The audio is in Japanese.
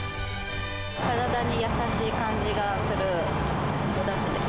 体に優しい感じがするおだしで。